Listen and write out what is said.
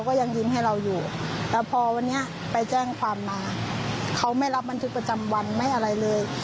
คือเขาไม่ทำอะไรให้เลย